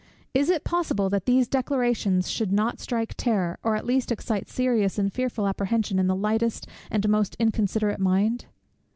Is it possible that these declarations should not strike terror, or at least excite serious and fearful apprehension in the lightest and most inconsiderate mind?